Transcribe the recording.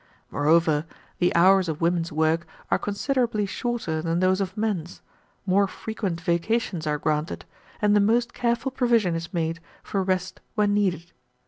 Moreover, the hours of women's work are considerably shorter than those of men's, more frequent vacations are granted, and the most careful provision is made for rest when needed.